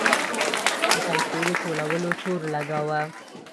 د پیسو د ټولولو تور لګاوه.